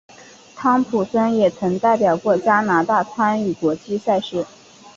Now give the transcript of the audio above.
汤普森也曾代表过加拿大参与国际赛事。